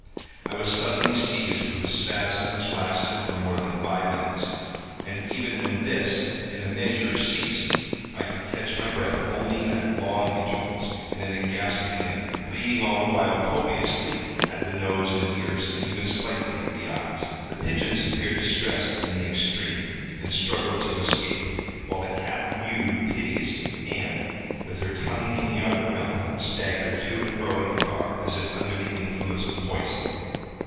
I was suddenly seized with a spasm which lasted for more than five minutes, and even when this, in a measure, ceased, I could catch my breath only at long intervals, and in a gasping manner—bleeding all the while copiously at the nose and ears, and even slightly at the eyes. The pigeons appeared distressed in the extreme, and struggled to escape; while the cat mewed piteously, and, with her tongue hanging out of her mouth, staggered to and fro in the car as if under the influence of poison.